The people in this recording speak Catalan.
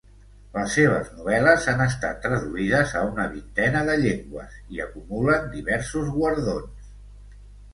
Les seves novel·les han estat traduïdes a una vintena de llengües i acumulen diversos guardons.